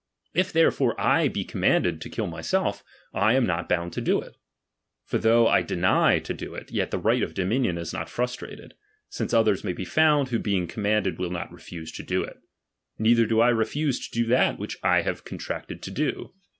If therefore I be commanded to kill myself, I am not bound to do it. For though I deny to do it, yet the right of dominion is not frustrated ; since others may be found, who being commanded will not re fuse to do it ; neither do I refuse to do that, which I have contracted to do.